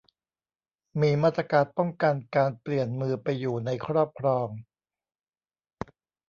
มีมาตรการป้องกันการเปลี่ยนมือไปอยู่ในครอบครอง